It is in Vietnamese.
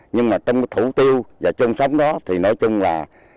nhưng mà trong thủ tiêu và trôn sống đó thì nói chung là